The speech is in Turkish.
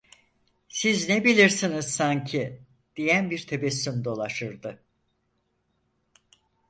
Siz ne bilirsiniz sanki? diyen bir tebessüm dolaşırdı.